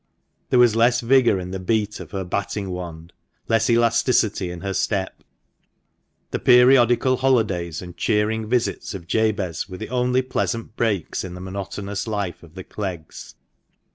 There was less vigour in the beat of her batting wand, less elasticity in her step. The periodical holidays and cheering visits of Jabez were the only pleasant breaks in the monotonous life of the Cleggs.